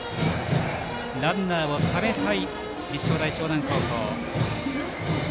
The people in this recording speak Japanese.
ランナーをためたい立正大淞南高校。